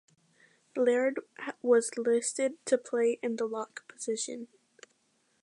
Laird was listed to play in the lock position.